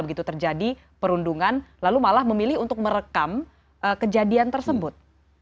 begitu terjadi perundungan lalu malah memilih untuk merekam kejadian tersebut